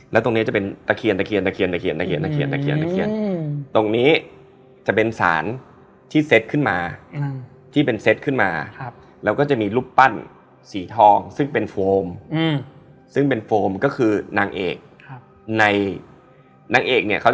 แล้วคนที่นอนด้านข้าง